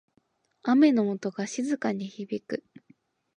雨の音が静かに響く。